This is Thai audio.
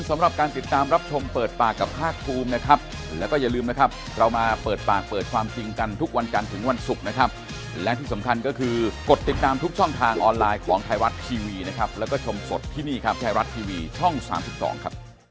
ไม่ได้ครบถ้วนสมบูรณ์ครับ